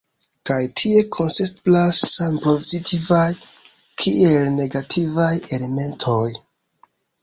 Kaj tie konstateblas same pozitivaj kiel negativaj elementoj.